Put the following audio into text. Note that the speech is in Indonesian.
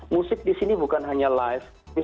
musik di sini bukan hanya live